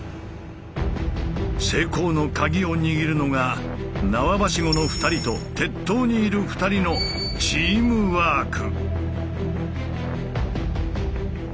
成功の鍵を握るのが縄ばしごの２人と鉄塔にいる２人のチームワーク。